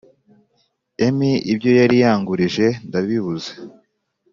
emi ibyo yari yangurije ndabibuze